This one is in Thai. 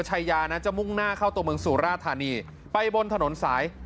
ชายานั้นจะมุ่งหน้าเข้าตัวเมืองสุราธานีไปบนถนนสาย